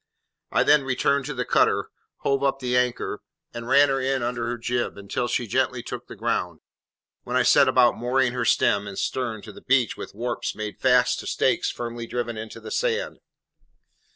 I then returned to the cutter, hove up the anchor, and ran her in under her jib, until she gently took the ground, when I set about mooring her stem and stern to the beach with warps made fast to stakes firmly driven into the sand.